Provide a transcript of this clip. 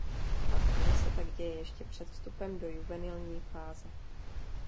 Patrně se tak děje ještě před vstupem do juvenilní fáze.